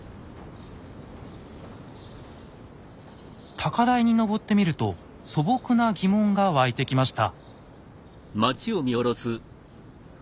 高台に登ってみると素朴な疑問が湧いてきました。